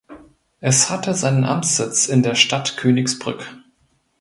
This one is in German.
Es hatte seinen Amtssitz in der Stadt Königsbrück.